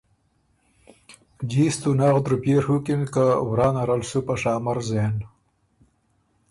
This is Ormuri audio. جیستُو نغد روپئے ڒُوکِن که ورا نرل سُو په شامر زېن